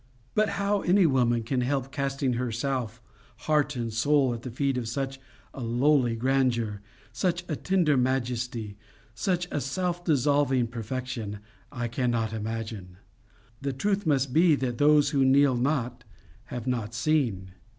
But how any woman can help casting herself heart and soul at the feet of such a lowly grandeur, such a tender majesty, such a self dissolving perfection I cannot imagine. The truth must be that those who kneel not have not seen.